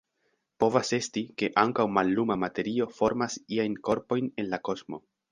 Povas esti, ke ankaŭ malluma materio formas iajn korpojn en la kosmo.